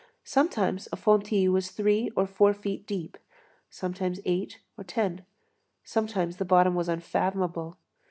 Sometimes a fontis was three or four feet deep, sometimes eight or ten; sometimes the bottom was unfathomable.